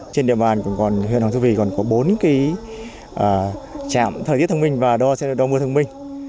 trên địa bàn huyện hoàng su phi còn có bốn trạm thời tiết thông minh và đo mưa thông minh